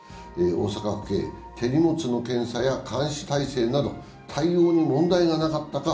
大阪府警、手荷物の検査や監視体制など対応に問題がなかったか